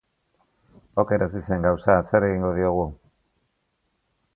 Oker hasi zen gauza, zer egingo diogu!